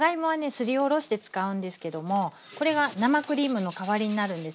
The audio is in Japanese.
すりおろして使うんですけどもこれが生クリームの代わりになるんですね。